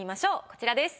こちらです。